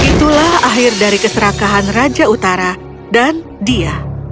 itulah akhir dari keserakahan raja utara dan dia